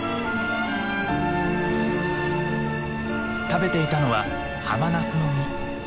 食べていたのはハマナスの実。